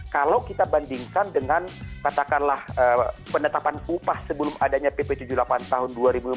kalau kita bandingkan dengan katakanlah penetapan upah sebelum adanya pp tujuh puluh delapan tahun dua ribu lima belas